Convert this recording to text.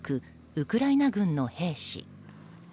ウクライナ軍の兵士。